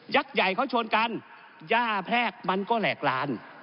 ใหญ่เขาชนกันย่าแพรกมันก็แหลกลาน